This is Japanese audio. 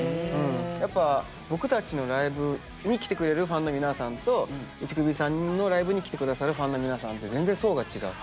やっぱ僕たちのライブに来てくれるファンの皆さんと打首さんのライブに来て下さるファンの皆さんって全然層が違う。